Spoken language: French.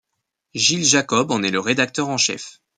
Gilles Jacob en est le rédacteur en chef.